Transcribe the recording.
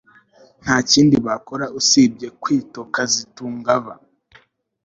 Nta kindi bakora usibye kwitokazitungaba